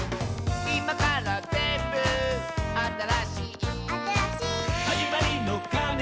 「いまからぜんぶあたらしい」「あたらしい」「はじまりのかねが」